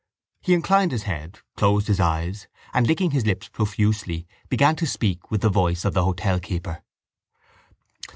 He inclined his head, closed his eyes, and, licking his lips profusely, began to speak with the voice of the hotel keeper.